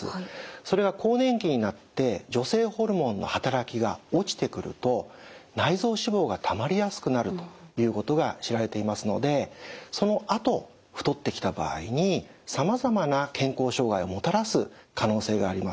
それが更年期になって女性ホルモンの働きが落ちてくると内臓脂肪がたまりやすくなるということが知られていますのでそのあと太ってきた場合にさまざまな健康障害をもたらす可能性があります。